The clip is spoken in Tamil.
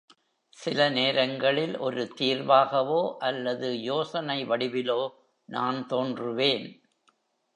சில நேரங்களில் ஒரு தீர்வாகவோ அல்லது யோசனை வடிவிலோ நான் தோன்றுவேன்.